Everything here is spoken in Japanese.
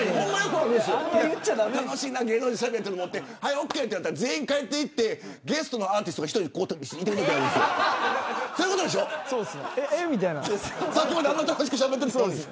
楽しいな芸能人としゃべるのって思ってたらはいオーケーって言ったら全員、帰っていってゲストのアーティストが１人いてるときあるんですよ。